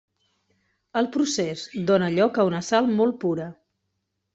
El procés dóna lloc a una sal molt pura.